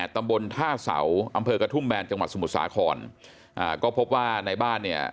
ตำบลท่าเสาอำเภอกระทุ่มแบนจังหวัดสมุทรสาครอ่าก็พบว่าในบ้านเนี่ย